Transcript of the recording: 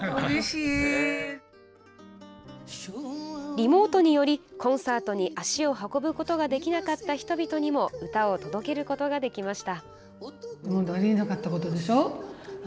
リモートによりコンサートに足を運ぶことができなかった人々にも歌を届けることができました。